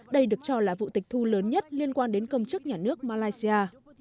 đây được cho là vụ tịch thu lớn nhất liên quan đến công chức nhà nước malaysia